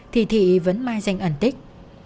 thì thị vẫn mai danh ẩn tích